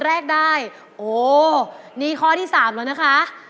๕๐๐๐แรกได้โอ้นี่ข้อที่๓แล้วนะคะ